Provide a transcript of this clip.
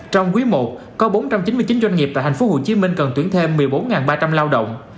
trong quý i có bốn trăm chín mươi chín doanh nghiệp tại tp hcm cần tuyển thêm một mươi bốn ba trăm linh lao động